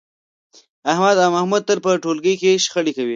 احمد او محمود تل په ټولگي کې شخړې کوي